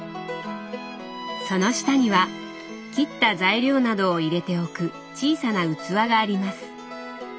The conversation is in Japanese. その下には切った材料などを入れておく小さな器があります。